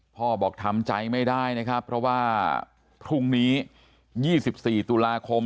พ่อบอกทำใจไม่ได้นะครับเพราะว่าพรุ่งนี้๒๔ตุลาคม